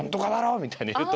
みたいに言うと。